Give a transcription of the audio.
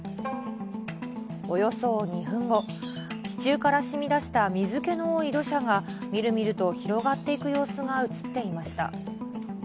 およそ２分後、地中からしみだした水けの多い土砂が、みるみると広がっていく様子が写っていました。